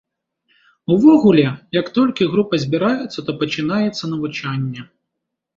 Увогуле, як толькі група збіраецца, то пачынаецца навучанне.